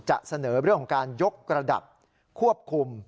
จะเสนอเรื่องของการยกระดับควบคุม